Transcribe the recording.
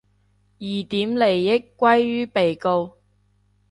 疑點利益歸於被告